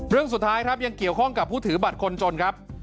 เรื่องสุดท้ายครับยังเกี่ยวข้องกับผู้ถือบัตรคนจนครับ